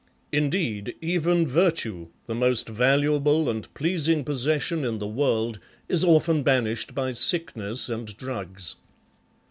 Indeed, even virtue, the most valuable and pleasing possession in the world, is often banished by sickness and drugs.